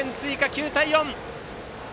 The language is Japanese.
９対４。